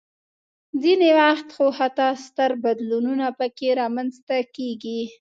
ځینې وخت خو حتی ستر بدلونونه پکې رامنځته کېږي.